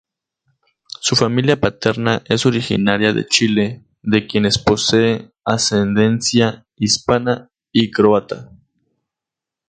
Su familia paterna es originaria de Chile, de quienes posee ascendencia hispana y croata.